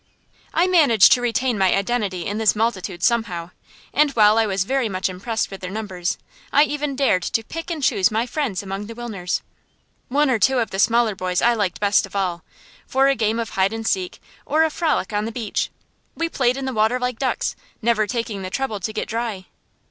I managed to retain my identity in this multitude somehow, and while I was very much impressed with their numbers, I even dared to pick and choose my friends among the Wilners. One or two of the smaller boys I liked best of all, for a game of hide and seek or a frolic on the beach. We played in the water like ducks, never taking the trouble to get dry.